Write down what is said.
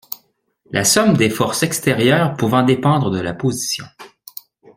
la somme des forces extérieures pouvant dépendre de la position